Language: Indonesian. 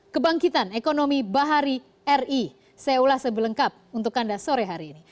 kebangkitan ekonomi bahari ri saya ulas sebelengkap untuk anda sore hari ini